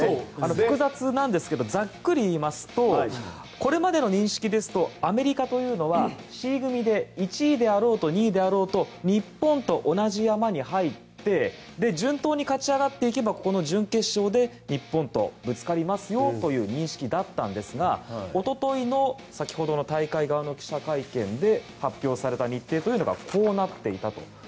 複雑なんですけどざっくり言いますとこれまでの認識ですとアメリカというのは、Ｃ組で１位であろうと２位であろうと日本と同じ山に入って順当に勝ち上がっていけばここの準決勝で日本とぶつかりますよという認識だったんですがおとといの先ほどの大会側の記者会見で発表された日程というのがこうなっていたと。